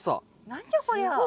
何じゃこりゃ。